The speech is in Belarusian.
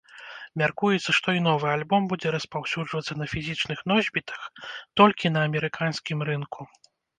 Мяркуецца, што і новы альбом будзе распаўсюджвацца на фізічных носьбітах толькі на амерыканскім рынку.